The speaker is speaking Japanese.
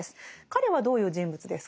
彼はどういう人物ですか？